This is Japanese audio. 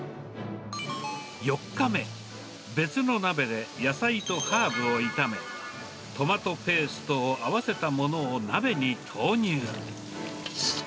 ４日目、別の鍋で野菜とハーブを炒め、トマトペーストを合わせたものを鍋に投入。